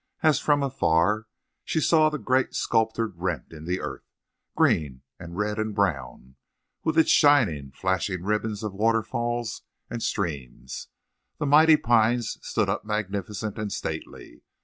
As from afar she saw the great sculptured rent in the earth, green and red and brown, with its shining, flashing ribbons of waterfalls and streams. The mighty pines stood up magnificent and stately.